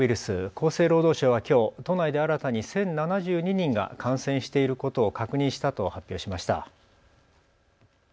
厚生労働省はきょう都内で新たに１０７２人が感染していることを確認したと発表しました。